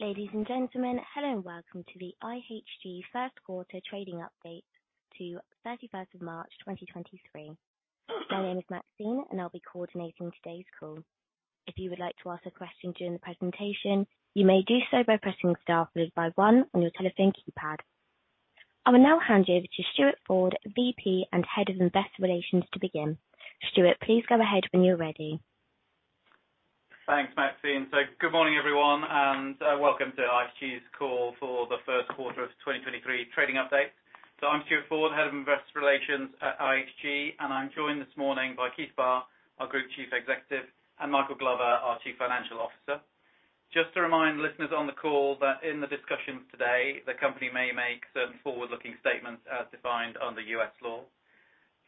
Ladies and gentlemen, hello and welcome to the IHG first quarter trading update to 31st of March 2023. My name is Maxine, and I'll be coordinating today's call. If you would like to ask a question during the presentation, you may do so by pressing star followed by 1 on your telephone keypad. I will now hand you over to Stuart Ford, VP and Head of Investor Relations to begin. Stuart, please go ahead when you're ready. Thanks, Maxine. Good morning, everyone, and welcome to IHG's call for the first quarter of 2023 trading update. I'm Stuart Ford, Head of Investor Relations at IHG, and I'm joined this morning by Keith Barr, our Group Chief Executive, and Michael Glover, our Chief Financial Officer. Just to remind listeners on the call that in the discussions today, the company may make certain forward-looking statements as defined under U.S. law.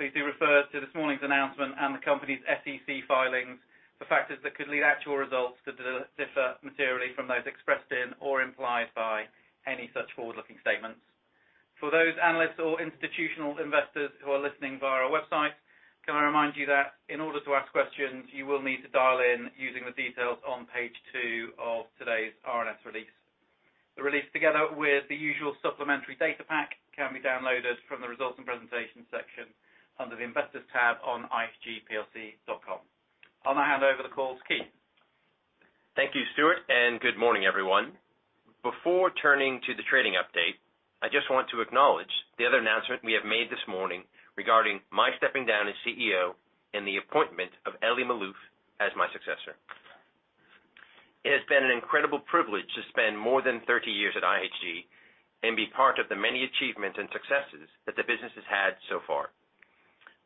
Please do refer to this morning's announcement and the company's SEC filings for factors that could lead actual results to differ materially from those expressed in or implied by any such forward-looking statements. For those analysts or institutional investors who are listening via our website, can I remind you that in order to ask questions you will need to dial in using the details on page 2 of today's RNS release. The release, together with the usual supplementary data pack, can be downloaded from the Results and Presentation section under the Investors tab on ihgplc.com. I'll now hand over the call to Keith. Thank you, Stuart. Good morning, everyone. Before turning to the trading update, I just want to acknowledge the other announcement we have made this morning regarding my stepping down as CEO and the appointment of Elie Maalouf as my successor. It has been an incredible privilege to spend more than 30 years at IHG and be part of the many achievements and successes that the business has had so far.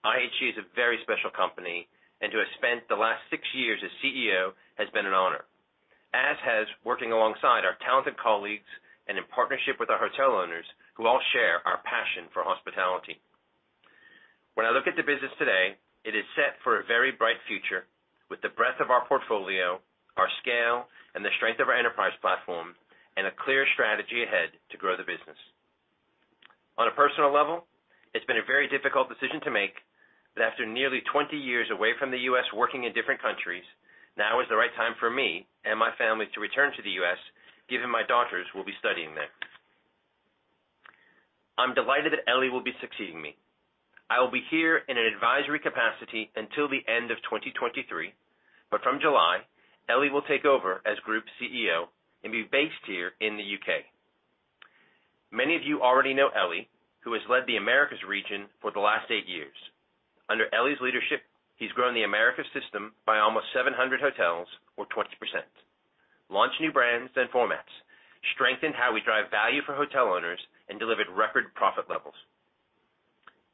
IHG is a very special company. To have spent the last 6 years as CEO has been an honor, as has working alongside our talented colleagues and in partnership with our hotel owners who all share our passion for hospitality. When I look at the business today, it is set for a very bright future with the breadth of our portfolio, our scale, and the strength of our enterprise platform, a clear strategy ahead to grow the business. On a personal level, it's been a very difficult decision to make that after nearly 20 years away from the U.S. working in different countries, now is the right time for me and my family to return to the U.S., given my daughters will be studying there. I'm delighted that Elie will be succeeding me. I will be here in an advisory capacity until the end of 2023, from July, Elie will take over as group CEO and be based here in the U.K. Many of you already know Elie, who has led the Americas region for the last eight years. Under Elie's leadership, he's grown the Americas system by almost 700 hotels or 20%, launched new brands and formats, strengthened how we drive value for hotel owners, and delivered record profit levels.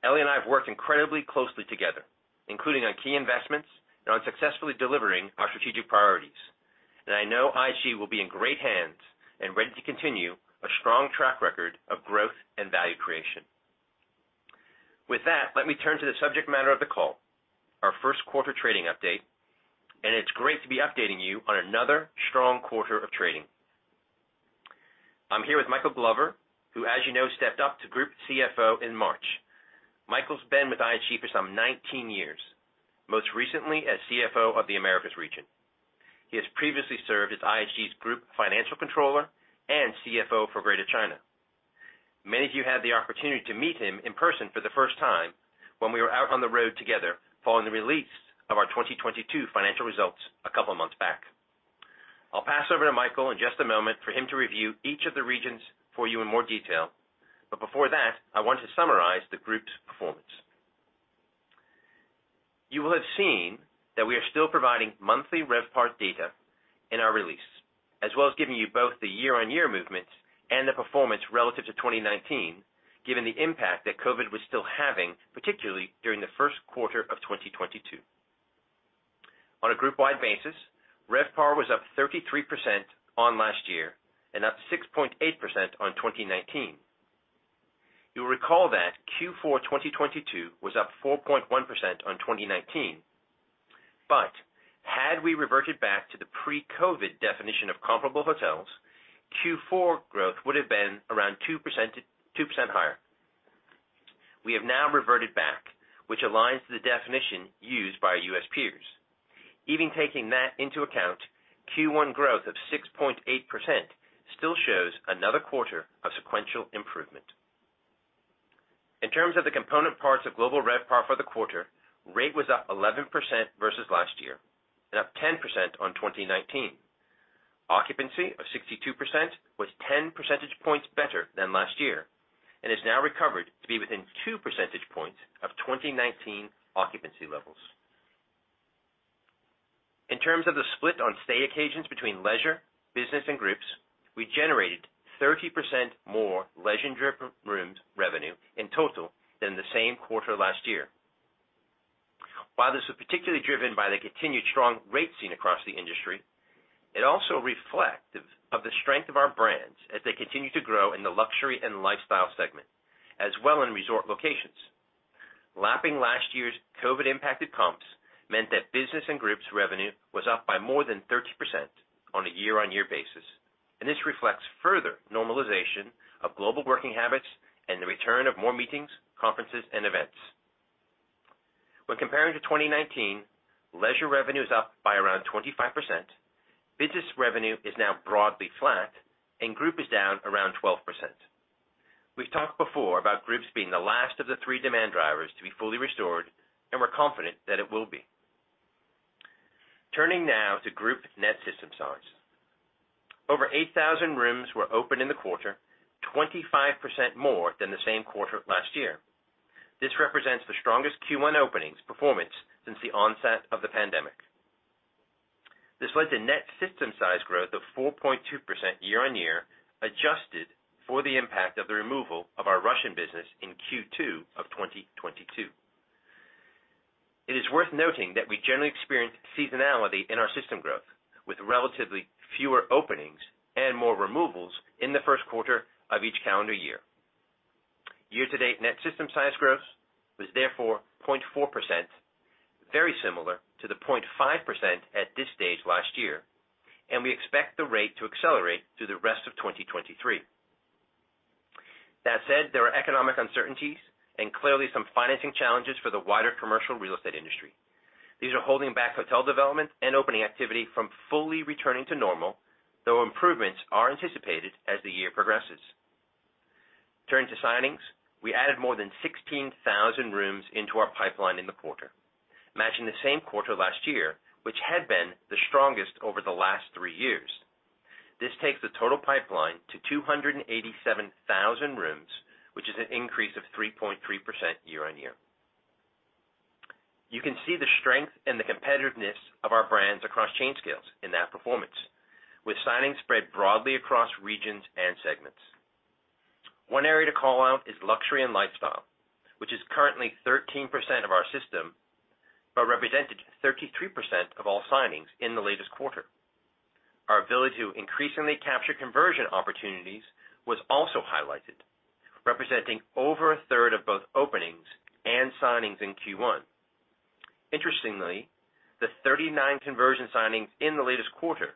Elie and I have worked incredibly closely together, including on key investments and on successfully delivering our strategic priorities. I know IHG will be in great hands and ready to continue a strong track record of growth and value creation. With that, let me turn to the subject matter of the call, our first quarter trading update, and it's great to be updating you on another strong quarter of trading. I'm here with Michael Glover, who, as you know, stepped up to Group CFO in March. Michael's been with IHG for some 19 years, most recently as CFO of the Americas region. He has previously served as IHG's Group Financial Controller and CFO for Greater China. Many of you had the opportunity to meet him in person for the first time when we were out on the road together following the release of our 2022 financial results a couple of months back. I'll pass over to Michael in just a moment for him to review each of the regions for you in more detail. Before that, I want to summarize the group's performance. You will have seen that we are still providing monthly RevPAR data in our release, as well as giving you both the year-on-year movements and the performance relative to 2019, given the impact that COVID was still having, particularly during the first quarter of 2022. On a group-wide basis, RevPAR was up 33% on last year and up 6.8% on 2019. You'll recall that Q4 2022 was up 4.1% on 2019. Had we reverted back to the pre-COVID definition of comparable hotels, Q4 growth would have been around 2% higher. We have now reverted back, which aligns to the definition used by our U.S. peers. Even taking that into account, Q1 growth of 6.8% still shows another quarter of sequential improvement. In terms of the component parts of global RevPAR for the quarter, rate was up 11% versus last year and up 10% on 2019. Occupancy of 62% was 10 percentage points better than last year and has now recovered to be within 2 percentage points of 2019 occupancy levels. In terms of the split on stay occasions between leisure, business, and groups, we generated 30% more leisure rooms revenue in total than the same quarter last year. This was particularly driven by the continued strong rates seen across the industry, it also reflective of the strength of our brands as they continue to grow in the luxury and lifestyle segment, as well in resort locations. Lapping last year's COVID-impacted comps meant that business and groups revenue was up by more than 30% on a year-over-year basis, this reflects further normalization of global working habits and the return of more meetings, conferences and events. Comparing to 2019, leisure revenue is up by around 25%, business revenue is now broadly flat, and group is down around 12%. We've talked before about groups being the last of the three demand drivers to be fully restored. We're confident that it will be. Turning now to group net system size. Over 8,000 rooms were opened in the quarter, 25% more than the same quarter last year. This represents the strongest Q1 openings performance since the onset of the pandemic. This led to net system size growth of 4.2% year-on-year, adjusted for the impact of the removal of our Russian business in Q2 of 2022. It is worth noting that we generally experience seasonality in our system growth, with relatively fewer openings and more removals in the first quarter of each calendar year. Year-to-date net system size growth was therefore 0.4%, very similar to the 0.5% at this stage last year. We expect the rate to accelerate through the rest of 2023. That said, there are economic uncertainties and clearly some financing challenges for the wider commercial real estate industry. These are holding back hotel development and opening activity from fully returning to normal, though improvements are anticipated as the year progresses. Turning to signings, we added more than 16,000 rooms into our pipeline in the quarter, matching the same quarter last year, which had been the strongest over the last three years. This takes the total pipeline to 287,000 rooms, which is an increase of 3.3% year-on-year. You can see the strength and the competitiveness of our brands across chain scales in that performance, with signings spread broadly across regions and segments. One area to call out is luxury and lifestyle, which is currently 13% of our system, but represented 33% of all signings in the latest quarter. Our ability to increasingly capture conversion opportunities was also highlighted, representing over a third of both openings and signings in Q1. Interestingly, the 39 conversion signings in the latest quarter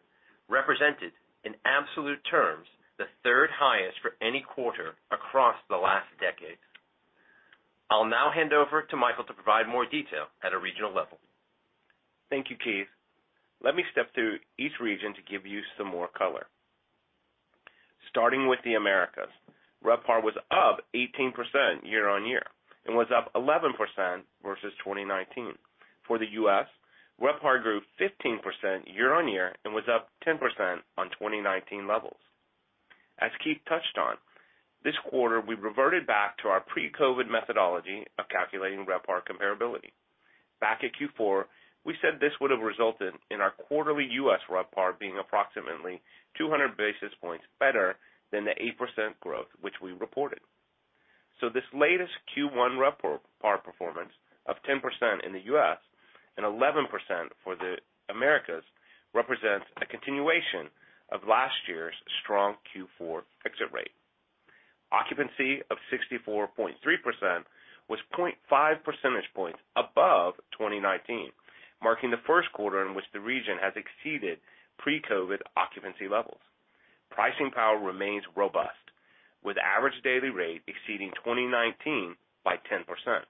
represented, in absolute terms, the third highest for any quarter across the last decade. I'll now hand over to Michael to provide more detail at a regional level. Thank you, Keith. Let me step through each region to give you some more color. Starting with the Americas, RevPAR was up 18% year-on-year and was up 11% versus 2019. For the U.S., RevPAR grew 15% year-on-year and was up 10% on 2019 levels. As Keith touched on, this quarter, we reverted back to our pre-COVID methodology of calculating RevPAR comparability. Back at Q4, we said this would have resulted in our quarterly U.S. RevPAR being approximately 200 basis points better than the 8% growth which we reported. This latest Q1 RevPAR performance of 10% in the U.S. and 11% for the Americas represents a continuation of last year's strong Q4 exit rate. Occupancy of 64.3% was 0.5 percentage points above 2019, marking the first quarter in which the region has exceeded pre-COVID occupancy levels. Pricing power remains robust, with average daily rate exceeding 2019 by 10%.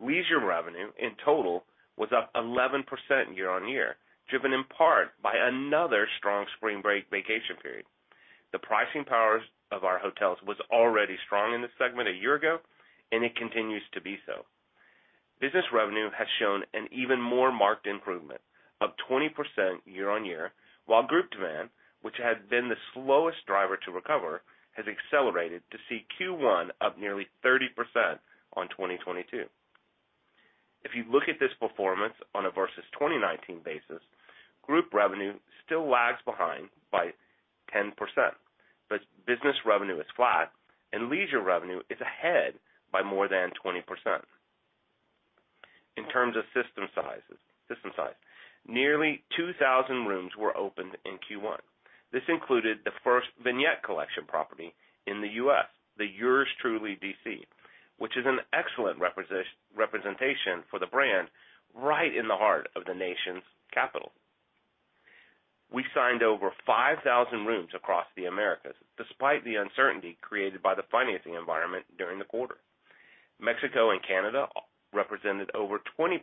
Leisure revenue in total was up 11% year-on-year, driven in part by another strong spring break vacation period. The pricing powers of our hotels was already strong in this segment a year ago, and it continues to be so. Business revenue has shown an even more marked improvement, up 20% year-on-year, while group demand, which had been the slowest driver to recover, has accelerated to see Q1 up nearly 30% on 2022. If you look at this performance on a versus 2019 basis, group revenue still lags behind by 10%, but business revenue is flat and leisure revenue is ahead by more than 20%. In terms of system size, nearly 2,000 rooms were opened in Q1. This included the first Vignette Collection property in the U.S., the Yours Truly D.C., which is an excellent representation for the brand right in the heart of the nation's capital. We signed over 5,000 rooms across the Americas, despite the uncertainty created by the financing environment during the quarter. Mexico and Canada represented over 20%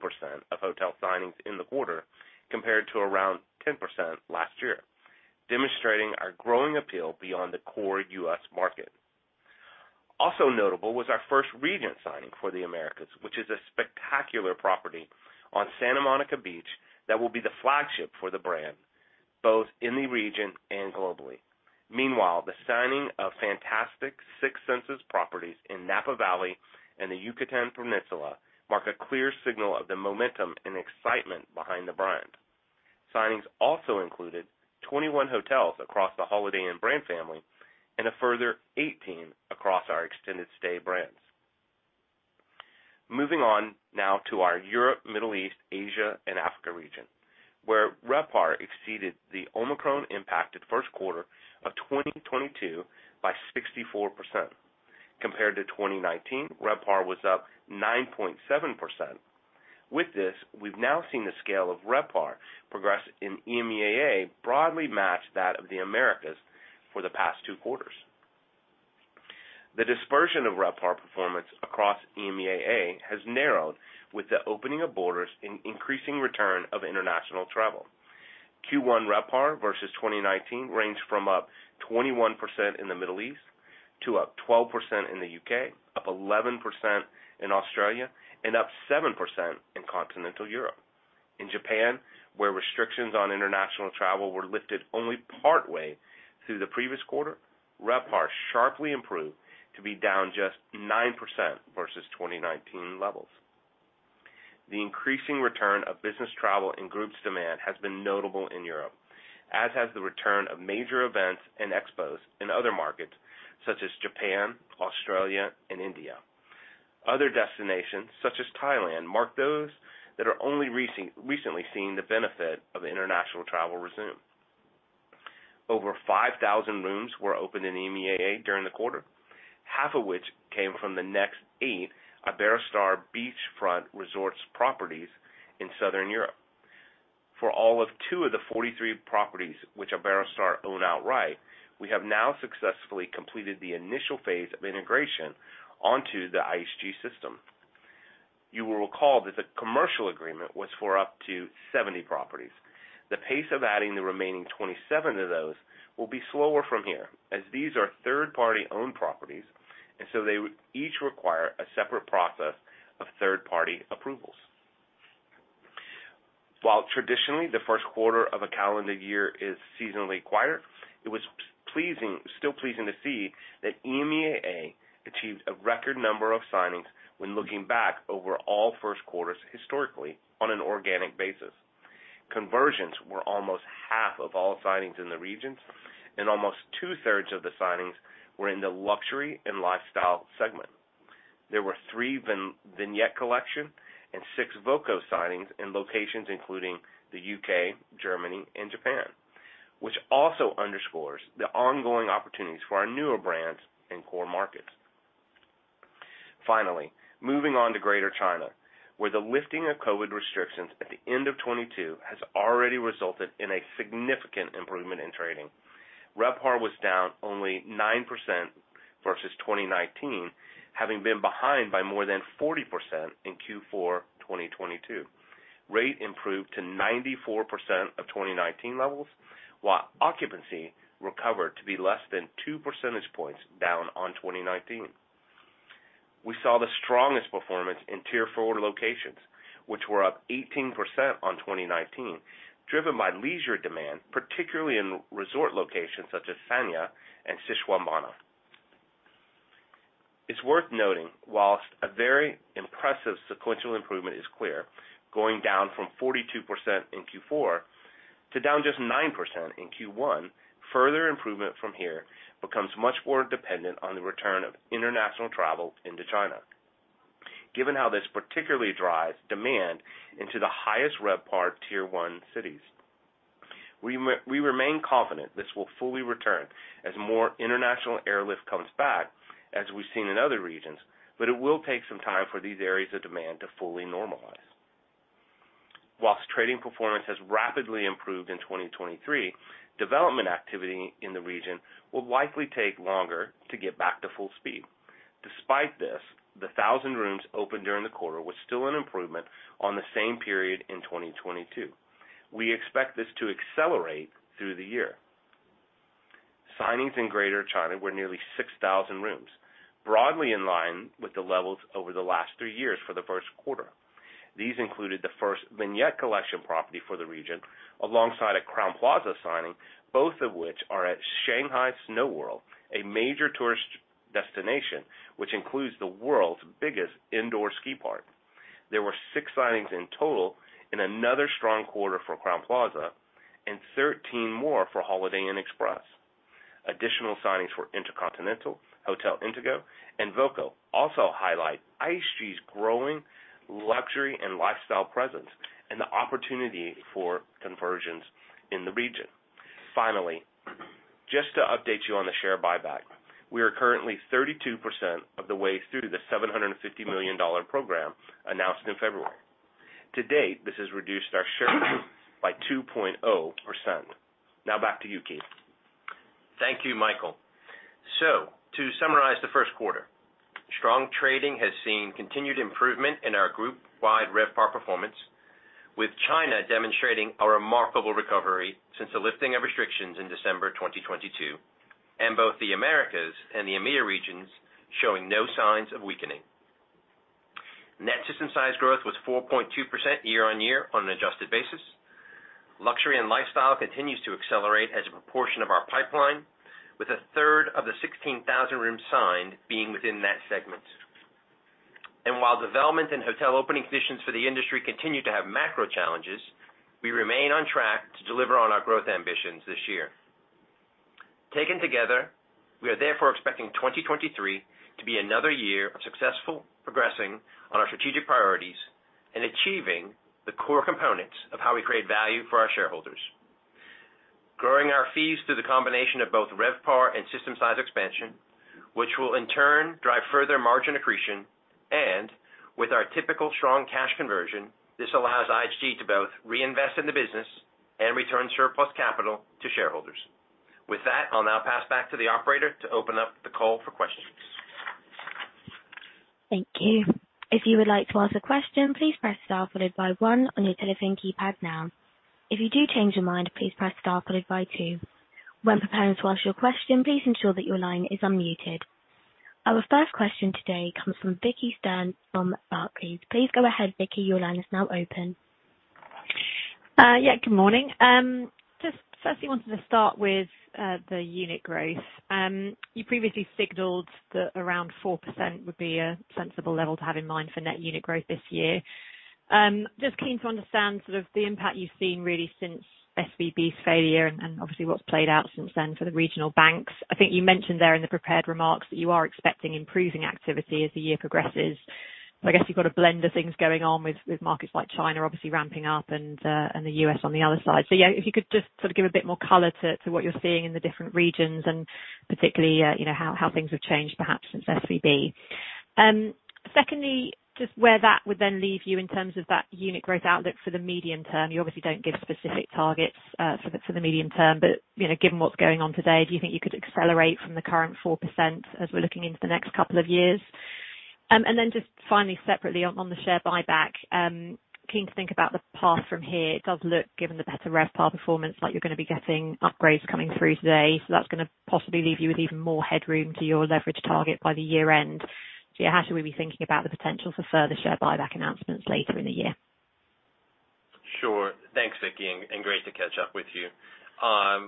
of hotel signings in the quarter, compared to around 10% last year, demonstrating our growing appeal beyond the core U.S. market. Also notable was our first Regent signing for the Americas, which is a spectacular property on Santa Monica Beach that will be the flagship for the brand, both in the region and globally. Meanwhile, the signing of fantastic Six Senses properties in Napa Valley and the Yucatan Peninsula mark a clear signal of the momentum and excitement behind the brand. Signings also included 21 hotels across the Holiday Inn brand family and a further 18 across our extended stay brands. Moving on now to our Europe, Middle East, Asia and Africa region, where RevPAR exceeded the Omicron impacted first quarter of 2022 by 64%. Compared to 2019, RevPAR was up 9.7%. With this, we've now seen the scale of RevPAR progress in EMEAA broadly match that of the Americas for the past 2 quarters. The dispersion of RevPAR performance across EMEAA has narrowed with the opening of borders in increasing return of international travel. Q1 RevPAR versus 2019 ranged from up 21% in the Middle East to up 12% in the U.K., up 11% in Australia, and up 7% in continental Europe. In Japan, where restrictions on international travel were lifted only partway through the previous quarter, RevPAR sharply improved to be down just 9% versus 2019 levels. The increasing return of business travel and groups demand has been notable in Europe, as has the return of major events and expos in other markets such as Japan, Australia, and India. Other destinations, such as Thailand, mark those that are only recently seeing the benefit of international travel resume. Over 5,000 rooms were opened in EMEAA during the quarter, half of which came from the next eight Iberostar beachfront resorts properties in Southern Europe. For all of two of the 43 properties which Iberostar own outright, we have now successfully completed the initial phase of integration onto the IHG system. You will recall that the commercial agreement was for up to 70 properties. The pace of adding the remaining 27 of those will be slower from here as these are third-party owned properties, and so they would each require a separate process of third party approvals. While traditionally, the first quarter of a calendar year is seasonally quieter, it was still pleasing to see that EMEAA achieved a record number of signings when looking back over all first quarters historically on an organic basis. Conversions were almost half of all signings in the regions, and almost two-thirds of the signings were in the luxury and lifestyle segment. There were three Vignette Collection and six voco signings in locations including the UK, Germany, and Japan, which also underscores the ongoing opportunities for our newer brands in core markets. Finally, moving on to Greater China, where the lifting of COVID restrictions at the end of 2022 has already resulted in a significant improvement in trading. RevPAR was down only 9% versus 2019, having been behind by more than 40% in Q4 2022. Rate improved to 94% of 2019 levels, while occupancy recovered to be less than 2 percentage points down on 2019. We saw the strongest performance in tier 4 locations, which were up 18% on 2019, driven by leisure demand, particularly in re-resort locations such as Sanya and Xishuangbanna. It's worth noting, whilst a very impressive sequential improvement is clear, going down from 42% in Q4 to down just 9% in Q1, further improvement from here becomes much more dependent on the return of international travel into China, given how this particularly drives demand into the highest RevPAR tier 1 cities. We remain confident this will fully return as more international airlift comes back, as we've seen in other regions, but it will take some time for these areas of demand to fully normalize. Whilst trading performance has rapidly improved in 2023, development activity in the region will likely take longer to get back to full speed. Despite this, the 1,000 rooms opened during the quarter was still an improvement on the same period in 2022. We expect this to accelerate through the year. Signings in Greater China were nearly 6,000 rooms, broadly in line with the levels over the last 3 years for the first quarter. These included the first Vignette Collection property for the region, alongside a Crowne Plaza signing, both of which are at Shanghai Snow World, a major tourist destination which includes the world's biggest indoor ski park. There were 6 signings in total in another strong quarter for Crowne Plaza and 13 more for Holiday Inn Express. Additional signings for InterContinental, Hotel Indigo, and voco also highlight IHG's growing luxury and lifestyle presence and the opportunity for conversions in the region. Just to update you on the share buyback. We are currently 32% of the way through the $750 million program announced in February. To date, this has reduced our shares by 2.0%. Back to you, Keith. Thank you, Michael. To summarize the first quarter, strong trading has seen continued improvement in our group-wide RevPAR performance, with China demonstrating a remarkable recovery since the lifting of restrictions in December 2022, and both the Americas and the EMEAA regions showing no signs of weakening. Net system size growth was 4.2% year-on-year on an adjusted basis. Luxury and lifestyle continues to accelerate as a proportion of our pipeline, with a third of the 16,000 rooms signed being within that segment. While development and hotel opening conditions for the industry continue to have macro challenges, we remain on track to deliver on our growth ambitions this year. Taken together, we are therefore expecting 2023 to be another year of successful progressing on our strategic priorities and achieving the core components of how we create value for our shareholders, growing our fees through the combination of both RevPAR and system size expansion, which will in turn drive further margin accretion, and with our typical strong cash conversion, this allows IHG to both reinvest in the business and return surplus capital to shareholders. With that, I'll now pass back to the operator to open up the call for questions. Thank you. If you would like to ask a question, please press Star followed by one on your telephone keypad now. If you do change your mind, please press Star followed by two. When preparing to ask your question, please ensure that your line is unmuted. Our first question today comes from Vicki Stern from Barclays. Please go ahead, Vicky. Your line is now open. Yeah, good morning. Just firstly wanted to start with the unit growth. You previously signaled that around 4% would be a sensible level to have in mind for net unit growth this year. Just keen to understand sort of the impact you've seen really since SVB's failure and obviously what's played out since then for the regional banks. I think you mentioned there in the prepared remarks that you are expecting improving activity as the year progresses. I guess you've got a blend of things going on with markets like China obviously ramping up and the US on the other side. Yeah, if you could just sort of give a bit more color to what you're seeing in the different regions and particularly, you know, how things have changed perhaps since SVB. Secondly, just where that would then leave you in terms of that unit growth outlook for the medium term. You obviously don't give specific targets for the medium term, but, you know, given what's going on today, do you think you could accelerate from the current 4% as we're looking into the next couple of years? Finally, separately on the share buyback, keen to think about the path from here. It does look, given the better RevPAR performance, like you're gonna be getting upgrades coming through today, so that's gonna possibly leave you with even more headroom to your leverage target by the year end. How should we be thinking about the potential for further share buyback announcements later in the year? Sure. Thanks, Vicki, and great to catch up with you.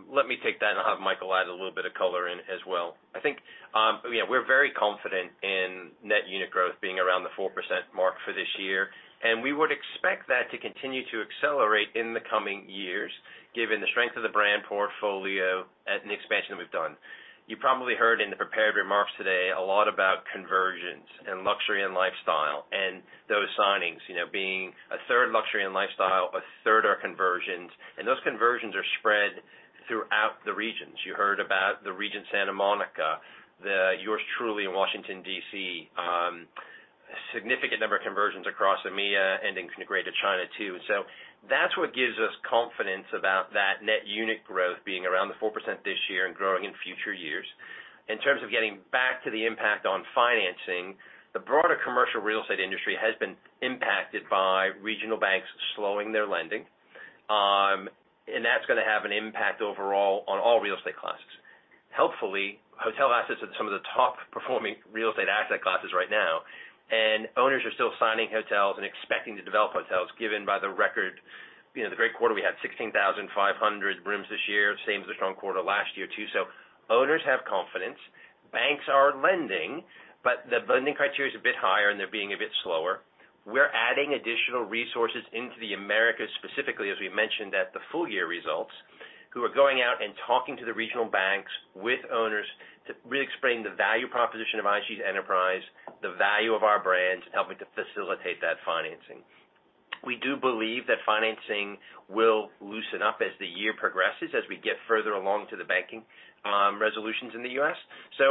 Let me take that, and I'll have Michael add a little bit of color in as well. I think, yeah, we're very confident in net unit growth being around the 4% mark for this year, and we would expect that to continue to accelerate in the coming years, given the strength of the brand portfolio and the expansion that we've done. You probably heard in the prepared remarks today a lot about conversions in luxury and lifestyle and those signings, you know, being a third luxury and lifestyle, a third are conversions, and those conversions are spread throughout the regions. You heard about the Regent Santa Monica Beach, the Yours Truly DC in Washington, D.C., significant number of conversions across EMEAA and in Greater China too. That's what gives us confidence about that net unit growth being around the 4% this year and growing in future years. In terms of getting back to the impact on financing, the broader commercial real estate industry has been impacted by regional banks slowing their lending, and that's gonna have an impact overall on all real estate classes. Helpfully, hotel assets are some of the top performing real estate asset classes right now, and owners are still signing hotels and expecting to develop hotels, given by the record, you know, the great quarter we had, 16,500 rooms this year, same as the strong quarter last year too. Owners have confidence. Banks are lending, but the lending criteria is a bit higher, and they're being a bit slower. We're adding additional resources into the Americas, specifically, as we mentioned at the full year results, who are going out and talking to the regional banks with owners to really explain the value proposition of IHG's enterprise, the value of our brands, helping to facilitate that financing. We do believe that financing will loosen up as the year progresses, as we get further along to the banking resolutions in the US.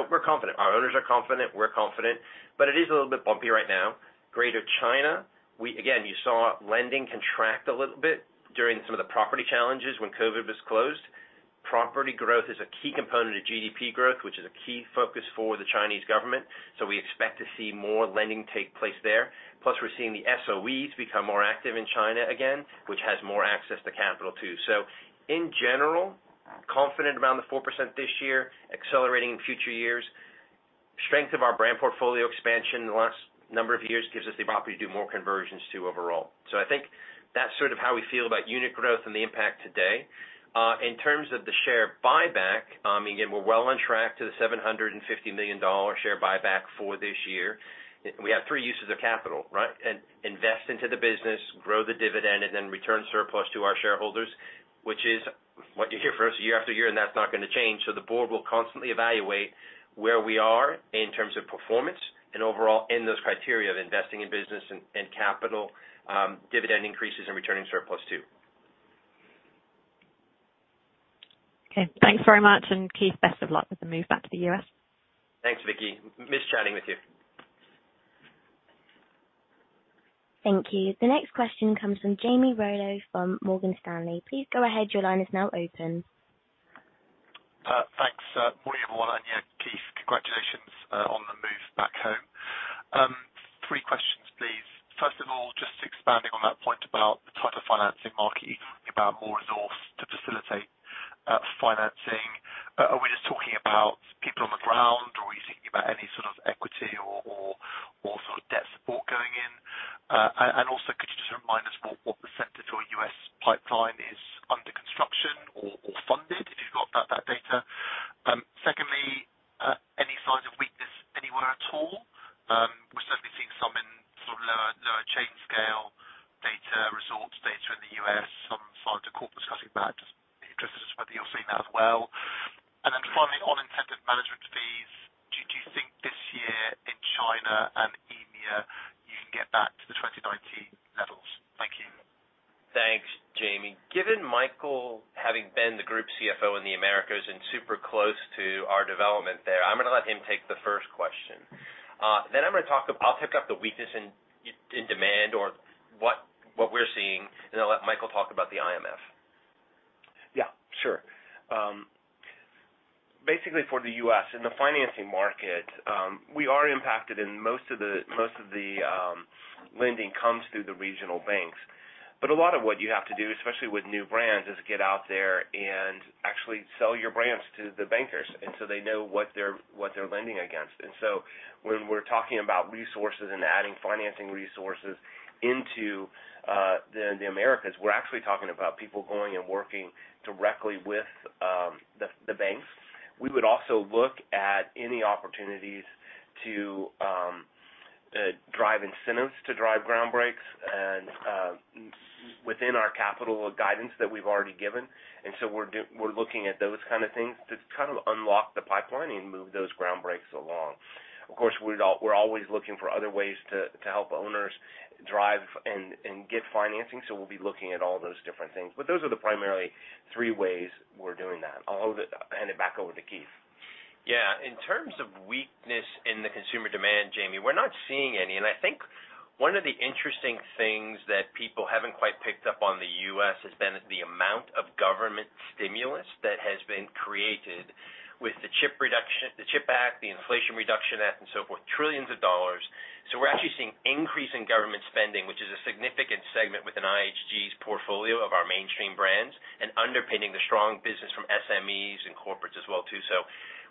We're confident. Our owners are confident. We're confident. It is a little bit bumpy right now. Greater China. Again, you saw lending contract a little bit during some of the property challenges when COVID was closed. Property growth is a key component of GDP growth, which is a key focus for the Chinese government. We expect to see more lending take place there. We're seeing the SOEs become more active in China again, which has more access to capital too. In general, confident around the 4% this year, accelerating in future years. Strength of our brand portfolio expansion the last number of years gives us the opportunity to do more conversions too overall. I think that's sort of how we feel about unit growth and the impact today. In terms of the share buyback, again, we're well on track to the $750 million share buyback for this year. We have three uses of capital, right? In-invest into the business, grow the dividend, and then return surplus to our shareholders, which is what you hear from us year after year, that's not gonna change. The board will constantly evaluate where we are in terms of performance and overall in those criteria of investing in business and capital, dividend increases and returning surplus too. Okay. Thanks very much. Keith, best of luck with the move back to the U.S. Thanks, Vicki. Missed chatting with you. Thank you. The next question comes from Jamie Rollo from Morgan Stanley. Please go ahead. Your line is now open. Thanks. Morning, everyone. Yeah, Keith, congratulations on the move back home. Three questions, please. First of all, just expanding on that point about the type of financing market, you're talking about more resource to facilitate financing. Are we just talking about people on the ground, or are you thinking about any sort of equity or sort of debt support going in? Also could you just remind us what % of your U.S. pipeline is under construction or funded, if you've got that data. Secondly, any signs of weakness anywhere at all? We're certainly seeing some in sort of lower chain scale data, resorts data in the U.S., some signs of corporates cutting back. Just interested whether you're seeing that as well. Finally, on incentive management fees, do you think this year in China and EMEAA you can get back to-? Michael, having been the Group CFO in the Americas and super close to our development there, I'm gonna let him take the first question. I'll pick up the weakness in demand or what we're seeing, and I'll let Michael talk about the IMF. Yeah, sure. Basically for the U.S., in the financing market, we are impacted and most of the lending comes through the regional banks. A lot of what you have to do, especially with new brands, is get out there and actually sell your brands to the bankers, so they know what they're lending against. When we're talking about resources and adding financing resources into the Americas, we're actually talking about people going and working directly with the banks. We would also look at any opportunities to drive incentives to drive ground breaks and within our capital guidance that we've already given. We're looking at those kind of things to kind of unlock the pipeline and move those ground breaks along. Of course, we're always looking for other ways to help owners drive and get financing, so we'll be looking at all those different things. Those are the primarily three ways we're doing that. I'll hand it back over to Keith. Yeah. In terms of weakness in the consumer demand, Jamie, we're not seeing any. I think one of the interesting things that people haven't quite picked up on the U.S. has been the amount of government stimulus that has been created with the CHIP reduction, the CHIPS Act, the Inflation Reduction Act, and so forth, trillions of dollars. We're actually seeing increase in government spending, which is a significant segment within IHG's portfolio of our mainstream brands, and underpinning the strong business from SMEs and corporates as well too.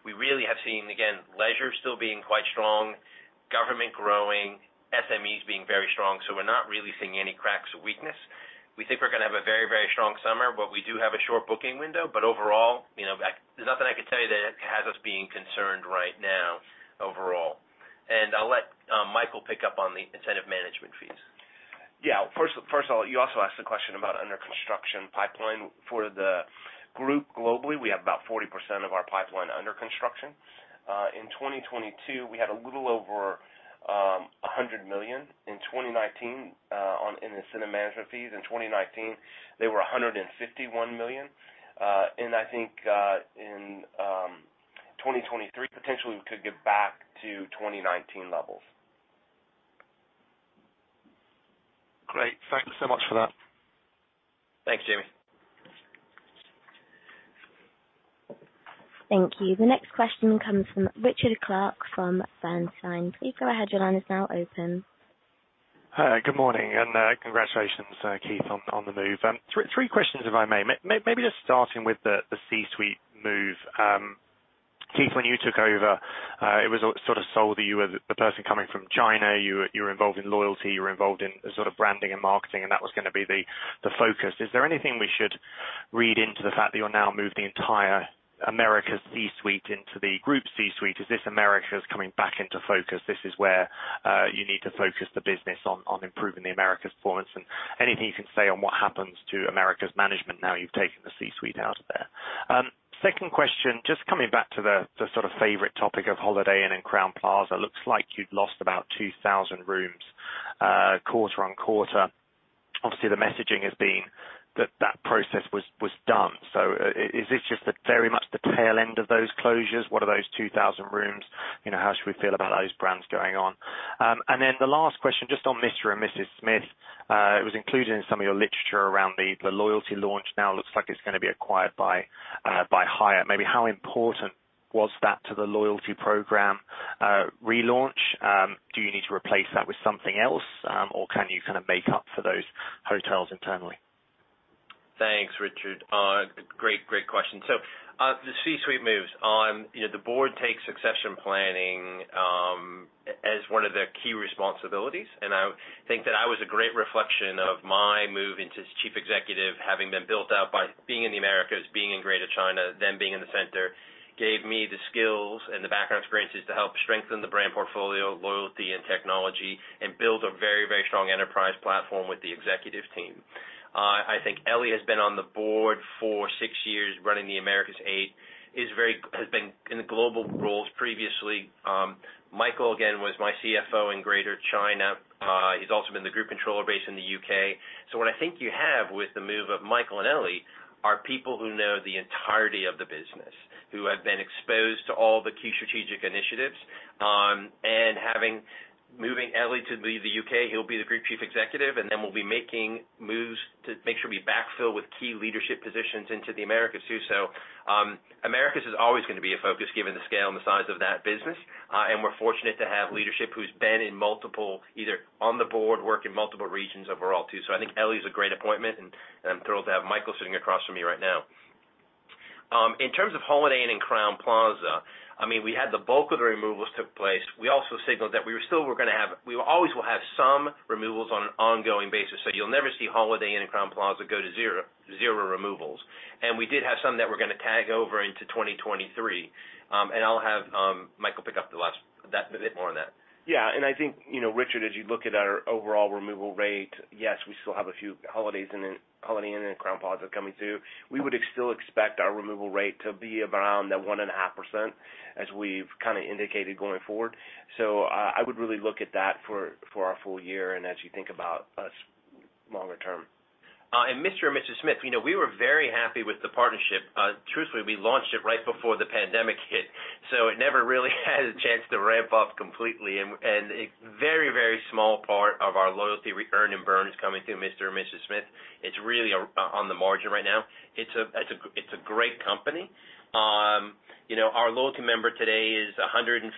We really have seen, again, leisure still being quite strong, government growing, SMEs being very strong. We're not really seeing any cracks or weakness. We think we're gonna have a very, very strong summer. We do have a short booking window. Overall, you know, there's nothing I could tell you that has us being concerned right now overall. I'll let Michael pick up on the incentive management fees. Yeah. First of all, you also asked the question about under construction pipeline. For the group globally, we have about 40% of our pipeline under construction. In 2022, we had a little over $100 million. In 2019, in incentive management fees in 2019, they were $151 million. I think, in 2023, potentially we could get back to 2019 levels. Great. Thank you so much for that. Thanks, Jamie. Thank you. The next question comes from Richard Clarke from Bernstein. Please go ahead. Your line is now open. Hi. Good morning, and congratulations, Keith, on the move. Three questions, if I may. Maybe just starting with the C-suite move. Keith, when you took over, it was sort of sold that you were the person coming from China, you were involved in loyalty, you were involved in sort of branding and marketing, and that was gonna be the focus. Is there anything we should read into the fact that you'll now move the entire Americas C-suite into the group C-suite? Is this Americas coming back into focus? This is where you need to focus the business on improving the Americas performance. Anything you can say on what happens to Americas management now you've taken the C-suite out of there. Second question, just coming back to the sort of favorite topic of Holiday Inn and Crowne Plaza. Looks like you'd lost about 2,000 rooms quarter-on-quarter. Obviously, the messaging has been that process was done. Is this just the very much the tail end of those closures? What are those 2,000 rooms? You know, how should we feel about those brands going on? The last question, just on Mr & Mrs Smith. It was included in some of your literature around the loyalty launch. It looks like it's gonna be acquired by Hyatt. Maybe how important was that to the loyalty program relaunch? Do you need to replace that with something else? Can you kinda make up for those hotels internally? Thanks, Richard. Great question. The C-suite moves. You know, the board takes succession planning as one of their key responsibilities, I think that I was a great reflection of my move into Chief Executive, having been built out by being in the Americas, being in Greater China, then being in the center, gave me the skills and the background experiences to help strengthen the brand portfolio, loyalty and technology, and build a very strong enterprise platform with the executive team. I think Elie has been on the board for six years, running the Americas eight. Has been in the global roles previously. Michael, again, was my CFO in Greater China. He's also been the group controller based in the U.K. What I think you have with the move of Michael and Elie are people who know the entirety of the business, who have been exposed to all the key strategic initiatives, moving Elie to the U.K., he'll be the Group Chief Executive, and then we'll be making moves to make sure we backfill with key leadership positions into the Americas, too. Americas is always going to be a focus given the scale and the size of that business. And we're fortunate to have leadership who's been in multiple, either on the board, work in multiple regions overall, too. I think Elie is a great appointment, and I'm thrilled to have Michael sitting across from me right now. I mean, in terms of Holiday Inn and Crowne Plaza, we had the bulk of the removals took place. We also signaled that we will always have some removals on an ongoing basis. You'll never see Holiday Inn and Crowne Plaza go to zero removals. We did have some that we're gonna tag over into 2023. I'll have Michael pick up that bit more on that. Yeah. I think, you know, Richard, as you look at our overall removal rate, yes, we still have a few Holiday Inn and Crowne Plaza coming through. We would still expect our removal rate to be around that 1.5%, as we've kinda indicated going forward. I would really look at that for our full year and as you think about us longer term. Mr & Mrs Smith, you know, we were very happy with the partnership. Truthfully, we launched it right before the pandemic hit, so it never really had a chance to ramp up completely. A very, very small part of our loyalty earn and burn is coming through Mr & Mrs Smith. It's really a, on the margin right now. It's a great company. You know, our loyalty member today is 115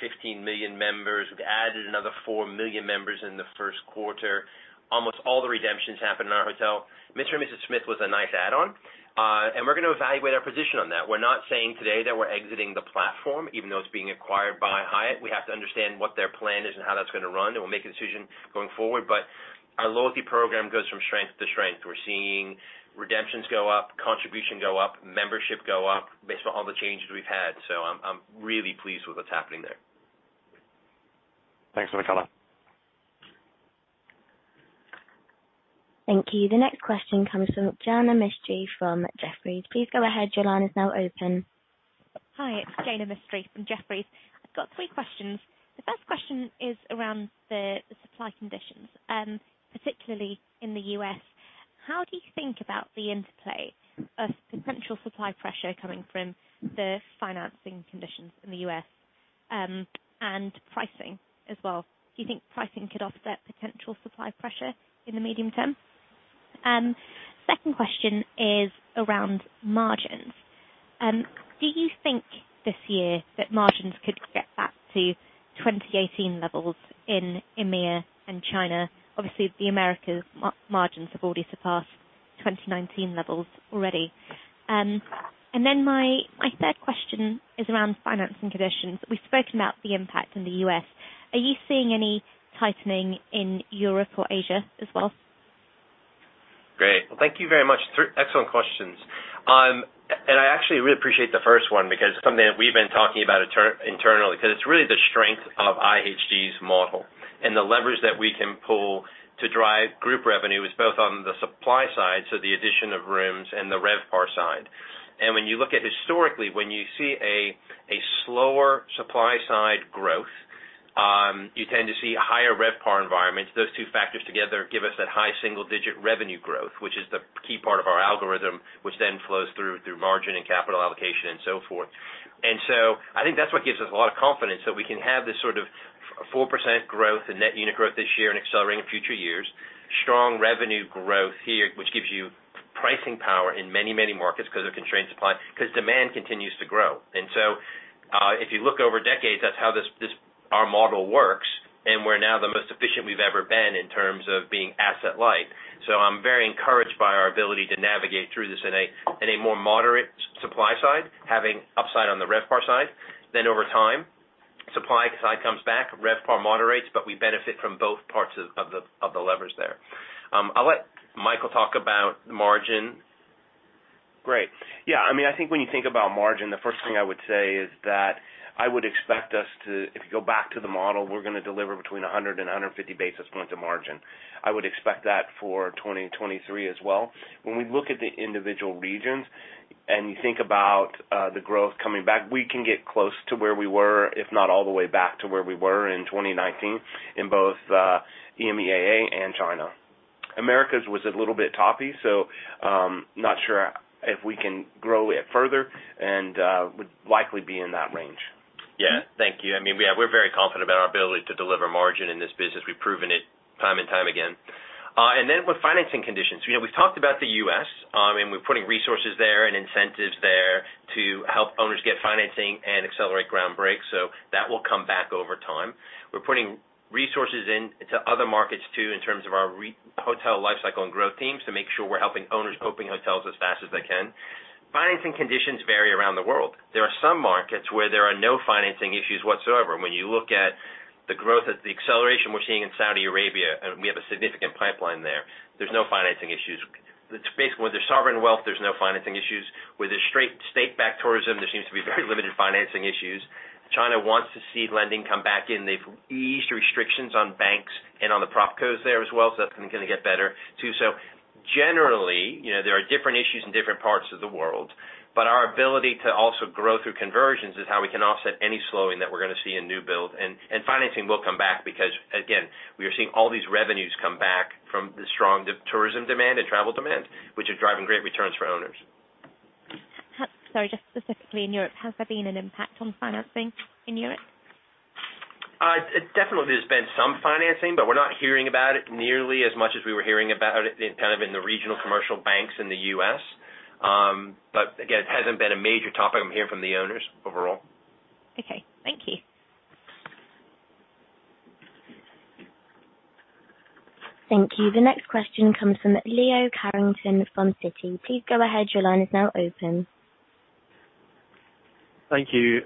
million members. We've added another 4 million members in the first quarter. Almost all the redemptions happen in our hotel. Mr & Mrs Smith was a nice add-on. We're gonna evaluate our position on that. We're not saying today that we're exiting the platform, even though it's being acquired by Hyatt. We have to understand what their plan is and how that's gonna run, and we'll make a decision going forward. Our loyalty program goes from strength to strength. We're seeing redemptions go up, contribution go up, membership go up based on all the changes we've had. I'm really pleased with what's happening there. Thanks, Maxine. Thank you. The next question comes from Jaina Mistry from Jefferies. Please go ahead. Your line is now open. Hi, it's Jaina Mistry from Jefferies. I've got three questions. The first question is around the supply conditions, particularly in the U.S. How do you think about the interplay of potential supply pressure coming from the financing conditions in the U.S., and pricing as well? Do you think pricing could offset potential supply pressure in the medium term? Second question is around margins. Do you think this year that margins could get back to 2018 levels in EMEA and China? Obviously, the Americas margins have already surpassed 2019 levels already. My third question is around financing conditions. We've spoken about the impact in the U.S. Are you seeing any tightening in Europe or Asia as well? Great. Well, thank you very much. Three excellent questions. I actually really appreciate the first one because it's something that we've been talking about internally, 'cause it's really the strength of IHG's model. The leverage that we can pull to drive group revenue is both on the supply side, so the addition of rooms, and the RevPAR side. When you look at historically, when you see a slower supply side growth, you tend to see higher RevPAR environments. Those two factors together give us that high single-digit revenue growth, which is the key part of our algorithm, which then flows through margin and capital allocation and so forth. I think that's what gives us a lot of confidence that we can have this sort of 4% growth and net unit growth this year and accelerate in future years. Strong revenue growth here, which gives you pricing power in many, many markets 'cause of constrained supply, 'cause demand continues to grow. If you look over decades, that's how this, our model works. We're now the most efficient we've ever been in terms of being asset light. So I'm very encouraged by our ability to navigate through this in a, in a more moderate supply side, having upside on the RevPAR side. Over time, supply side comes back, RevPAR moderates, we benefit from both parts of the levers there. I'll let Michael talk about margin. Great. I mean, I think when you think about margin, the first thing I would say is that I would expect us If you go back to the model, we're gonna deliver between 100 and 150 basis points of margin. I would expect that for 2023 as well. When we look at the individual regions, and you think about the growth coming back, we can get close to where we were, if not all the way back to where we were in 2019 in both EMEAA and China. Americas was a little bit toppy, not sure if we can grow it further, would likely be in that range. Thank you. I mean, we're very confident about our ability to deliver margin in this business. We've proven it time and time again. With financing conditions, you know, we've talked about the U.S., and we're putting resources there and incentives there to help owners get financing and accelerate ground breaks. That will come back over time. We're putting resources in to other markets too in terms of our hotel lifecycle and growth teams to make sure we're helping owners open hotels as fast as they can. Financing conditions vary around the world. There are some markets where there are no financing issues whatsoever. When you look at the growth of the acceleration we're seeing in Saudi Arabia, and we have a significant pipeline there's no financing issues. It's basically where there's sovereign wealth, there's no financing issues. Where there's straight state-backed tourism, there seems to be very limited financing issues. China wants to see lending come back in. They've eased restrictions on banks and on the prop cos there as well, that's gonna get better, too. Generally, you know, there are different issues in different parts of the world, but our ability to also grow through conversions is how we can offset any slowing that we're gonna see in new build. Financing will come back because, again, we are seeing all these revenues come back from the strong to-tourism demand and travel demand, which are driving great returns for owners. Sorry, just specifically in Europe, has there been an impact on financing in Europe? It definitely has been some financing, but we're not hearing about it nearly as much as we were hearing about it in, kind of in the regional commercial banks in the U.S. Again, it hasn't been a major topic I'm hearing from the owners overall. Okay. Thank you. Thank you. The next question comes from Leo Carrington from Citi. Please go ahead. Your line is now open. Thank you.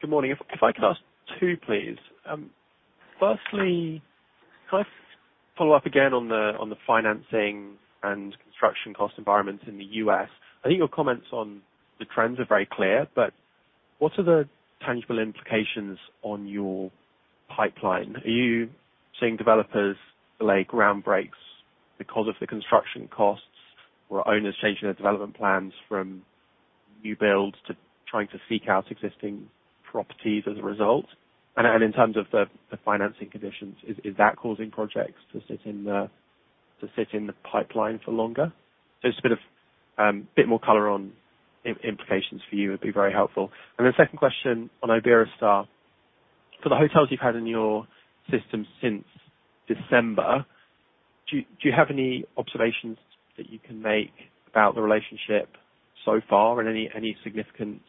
Good morning. If I could ask two, please. Firstly, can I follow up again on the financing and construction cost environments in the US? I think your comments on the trends are very clear, but what are the tangible implications on your pipeline? Are you seeing developers delay ground breaks because of the construction costs or owners changing their development plans fromYou build to trying to seek out existing properties as a result. In terms of the financing conditions, is that causing projects to sit in the pipeline for longer? Just a bit of a bit more color on implications for you would be very helpful. Second question on Iberostar. For the hotels you've had in your system since December, do you have any observations that you can make about the relationship so far and any significant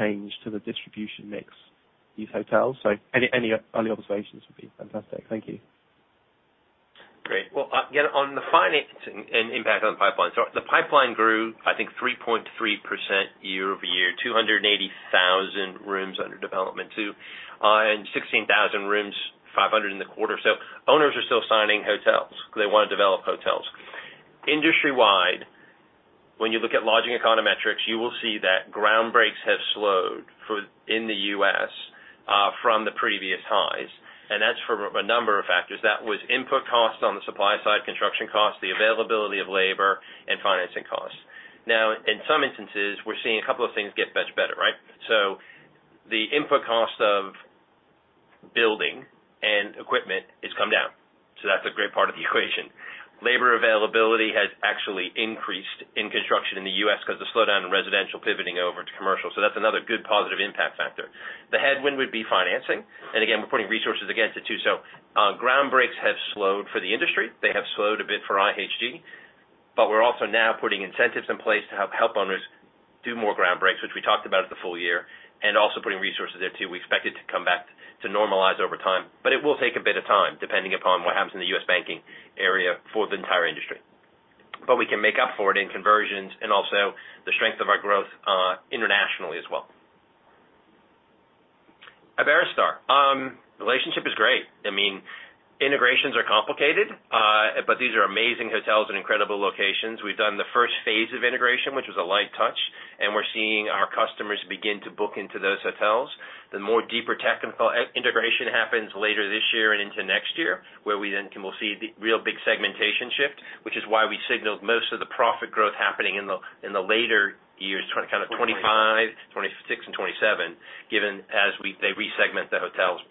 change to the distribution mix of these hotels? Any observations would be fantastic. Thank you. Great. Well, again, on the financing and impact on the pipeline. The pipeline grew, I think, 3.3% year-over-year, 280,000 rooms under development too, and 16,000 rooms, 500 in the quarter. Owners are still signing hotels 'cause they wanna develop hotels. Industry-wide, when you look at Lodging Econometrics, you will see that ground breaks have slowed in the U.S. from the previous highs, and that's for a number of factors. That was input costs on the supply side, construction costs, the availability of labor and financing costs. In some instances, we're seeing a couple of things get much better, right? The input cost of building and equipment has come down, so that's a great part of the equation. Labor availability has actually increased in construction in the U.S. 'cause the slowdown in residential pivoting over to commercial. That's another good positive impact factor. The headwind would be financing, and again, we're putting resources against it too. Ground breaks have slowed for the industry. They have slowed a bit for IHG, but we're also now putting incentives in place to help owners do more ground breaks, which we talked about at the full year, and also putting resources there too. We expect it to come back to normalize over time, but it will take a bit of time, depending upon what happens in the U.S. banking area for the entire industry. We can make up for it in conversions and also the strength of our growth internationally as well. Iberostar relationship is great. I mean, integrations are complicated. These are amazing hotels in incredible locations. We've done the first phase of integration, which was a light touch. We're seeing our customers begin to book into those hotels. The more deeper tech integration happens later this year and into next year, where we'll see the real big segmentation shift, which is why we signaled most of the profit growth happening in the later years, 20 kind of 25, 26 and 27, given as they resegment the hotels.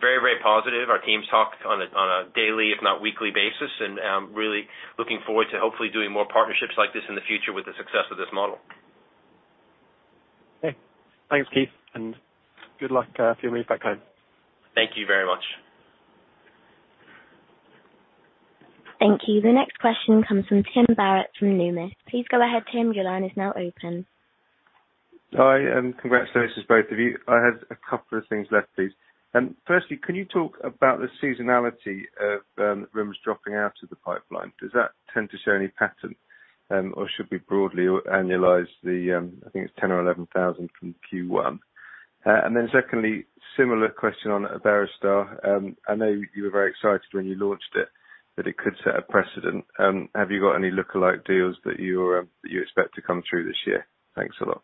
Very positive. Our teams talk on a daily, if not weekly basis. Really looking forward to hopefully doing more partnerships like this in the future with the success of this model. Okay. Thanks, Keith, and good luck for your move back home. Thank you very much. Thank you. The next question comes from Tim Barrett from Numis. Please go ahead, Tim. Your line is now open. Hi, congratulations both of you. I have a couple of things left, please. Firstly, can you talk about the seasonality of rooms dropping out of the pipeline? Does that tend to show any pattern, or should we broadly annualize the, I think it's 10,000 or 11,000 from Q1? Secondly, similar question on Iberostar. I know you were very excited when you launched it, that it could set a precedent. Have you got any lookalike deals that you're, that you expect to come through this year? Thanks a lot.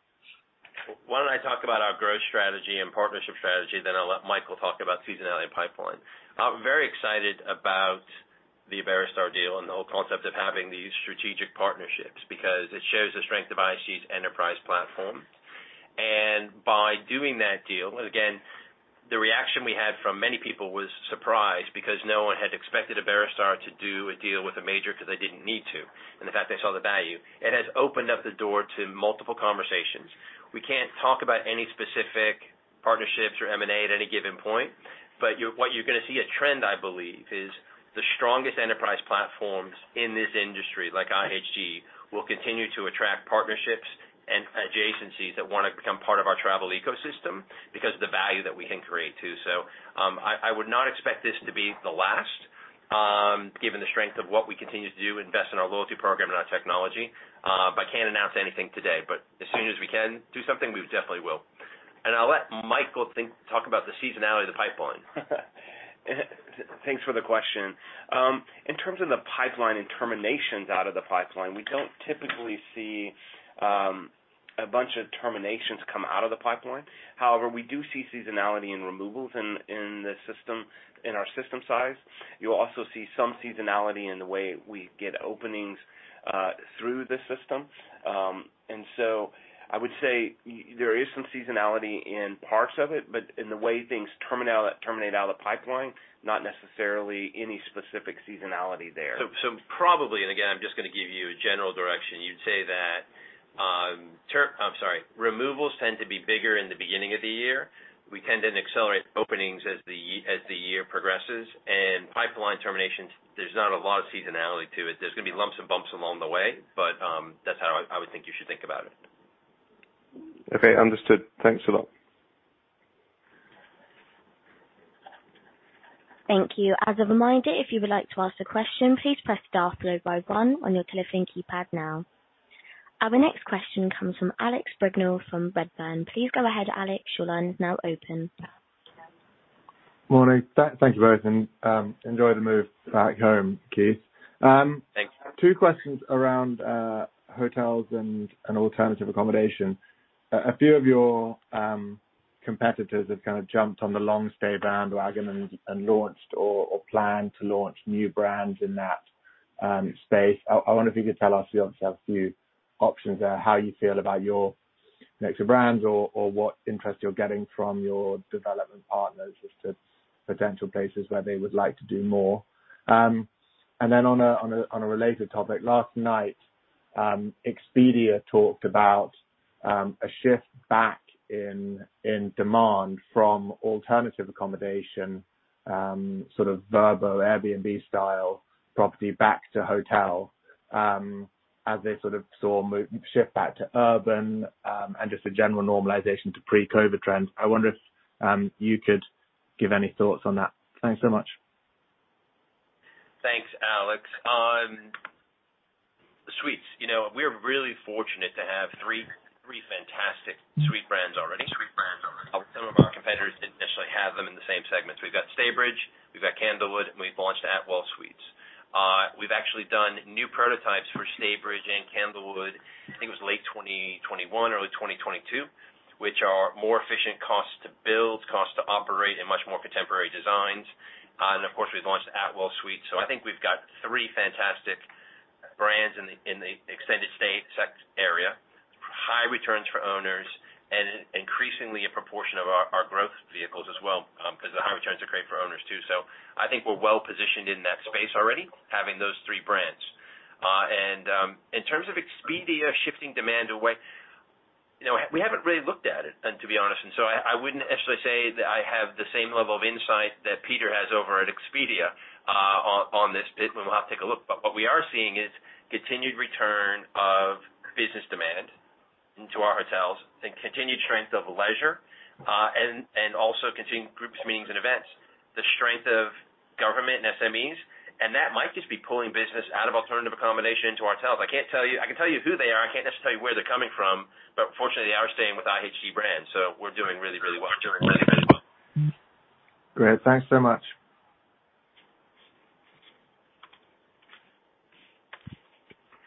Why don't I talk about our growth strategy and partnership strategy, then I'll let Michael talk about seasonality and pipeline. I'm very excited about the Iberostar deal and the whole concept of having these strategic partnerships because it shows the strength of IHG's enterprise platform. By doing that deal, again, the reaction we had from many people was surprise because no one had expected Iberostar to do a deal with a major because they didn't need to. The fact they saw the value, it has opened up the door to multiple conversations. We can't talk about any specific partnerships or M&A at any given point. You're, what you're gonna see a trend, I believe, is the strongest enterprise platforms in this industry, like IHG, will continue to attract partnerships and adjacencies that wanna become part of our travel ecosystem because of the value that we can create too. I would not expect this to be the last, given the strength of what we continue to do, invest in our loyalty program and our technology. I can't announce anything today, but as soon as we can do something, we definitely will. I'll let Michael talk about the seasonality of the pipeline. Thanks for the question. In terms of the pipeline and terminations out of the pipeline, we don't typically see a bunch of terminations come out of the pipeline. However, we do see seasonality in removals in the system, in our system size. You'll also see some seasonality in the way we get openings through the system. I would say there is some seasonality in parts of it, but in the way things terminate out of the pipeline, not necessarily any specific seasonality there. Probably, and again, I'm just gonna give you a general direction. You'd say that. I'm sorry. Removals tend to be bigger in the beginning of the year. We tend to accelerate openings as the year progresses. Pipeline terminations, there's not a lot of seasonality to it. There's gonna be lumps and bumps along the way, but that's how I would think you should think about it. Okay, understood. Thanks a lot. Thank you. As a reminder, if you would like to ask a question, please press star followed by one on your telephone keypad now. Our next question comes from Alex Brignall from Redburn. Please go ahead, Alex. Your line is now open. Morning. Thank you both, and enjoy the move back home, Keith. Thanks. Two questions around hotels and alternative accommodation. A few of your competitors have kind of jumped on the long stay bandwagon and launched or plan to launch new brands in that space. I wonder if you could tell us, you obviously have a few options there, how you feel about your mix of brands or what interest you're getting from your development partners as to potential places where they would like to do more. On a related topic, last night, Expedia talked about a shift back in demand from alternative accommodation, sort of Vrbo, Airbnb style property back to hotel, as they sort of saw shift back to urban, and just a general normalization to pre-COVID trends. I wonder if you could give any thoughts on that. Thanks so much. Thanks, Alex. suites. You know, we're really fortunate to have three fantastic suite brands already. Some of our competitors didn't necessarily have them in the same segments. We've got Staybridge, we've got Candlewood, and we've launched Atwell Suites. We've actually done new prototypes for Staybridge and Candlewood, I think it was late 2021, early 2022, which are more efficient costs to build, costs to operate in much more contemporary designs. Of course, we've launched Atwell Suites. I think we've got three fantastic brands in the extended stay area, high returns for owners and increasingly a proportion of our growth vehicles as well, 'cause the high returns are great for owners too. I think we're well-positioned in that space already, having those three brands. In terms of Expedia shifting demand away, you know, we haven't really looked at it, to be honest, I wouldn't necessarily say that I have the same level of insight that Peter has over at Expedia, on this bit, but we'll have to take a look. What we are seeing is continued return of business demand into our hotels and continued strength of leisure, and also continued groups, meetings and events. The strength of government and SMEs, that might just be pulling business out of alternative accommodation into hotels. I can't tell you. I can tell you who they are, I can't necessarily tell you where they're coming from, fortunately they are staying with IHG brands, so we're doing really, really well during that as well. Great. Thanks so much.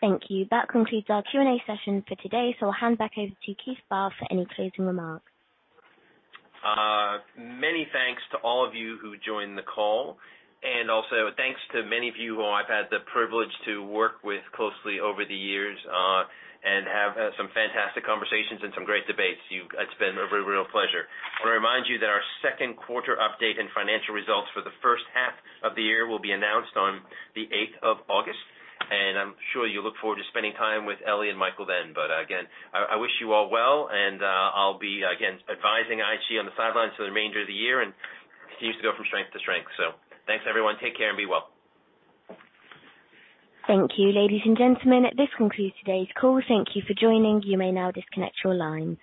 Thank you. That concludes our Q&A session for today. I'll hand back over to Keith Barr for any closing remarks. Many thanks to all of you who joined the call, also thanks to many of you who I've had the privilege to work with closely over the years, and have some fantastic conversations and some great debates. It's been a real pleasure. I want to remind you that our second quarter update and financial results for the first half of the year will be announced on the eighth of August, I'm sure you look forward to spending time with Elie and Michael then. Again, I wish you all well, and I'll be, again, advising IHG on the sidelines for the remainder of the year and continues to go from strength to strength. Thanks, everyone. Take care and be well. Thank you, ladies and gentlemen. This concludes today's call. Thank you for joining. You may now disconnect your lines.